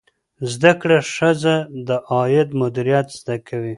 زده کړه ښځه د عاید مدیریت زده کوي.